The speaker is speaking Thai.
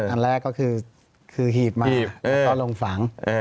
อันแรกก็คือหีบมาแล้วก็ลงฝัง